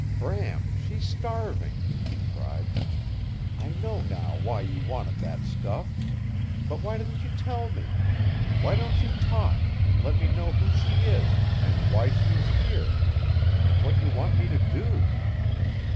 "Bram, she's starving," he cried. "I know now why you wanted that stuff! But why didn't you tell me! Why don't you talk, and let me know who she is, and why she is here, and what you want me to do?"